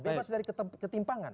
bebas dari ketimpangan